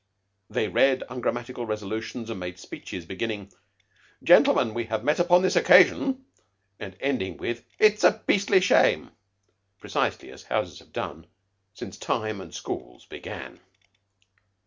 They read ungrammatical resolutions, and made speeches beginning, "Gentlemen, we have met on this occasion," and ending with, "It's a beastly shame," precisely as houses have done since time and schools began.